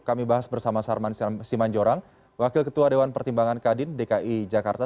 kami bahas bersama sarman simanjorang wakil ketua dewan pertimbangan kadin dki jakarta